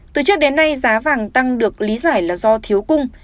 từ trước đến nay giá vàng tăng được lý giải là do thiếu cung